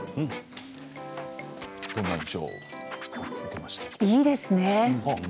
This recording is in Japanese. いいですね。